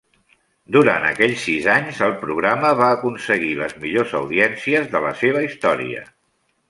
Durant aquells sis anys, el programa va aconseguir les millors audiències de la seva història.